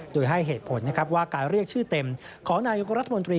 โดยให้เหตุผลนะครับว่าการเรียกชื่อเต็มของนายกรัฐมนตรี